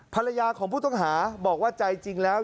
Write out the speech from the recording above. ภรรยาของผู้ต้องหาบอกว่าใจจริงแล้ว